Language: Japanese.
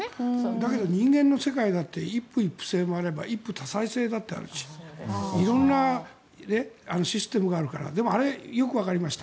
だけど人間の世界だって一夫一婦制もあれば一夫多妻制だってあるし色んなシステムがあるからでも、あれ、よくわかりました。